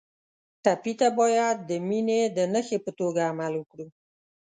ټپي ته باید د مینې د نښې په توګه عمل وکړو.